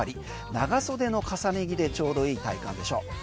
長袖の重ね着でちょうどいい体感でしょう。